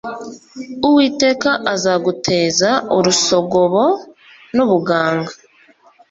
Uwiteka azaguteza urusogobo n’ ubuganga